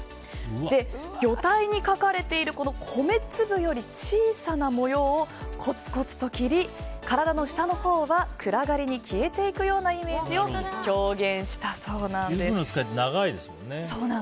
魚体に描かれている米粒より小さな模様をコツコツと切り、体の下のほうは暗がりに消えていくようなリュウグウノツカイって長いですもんね。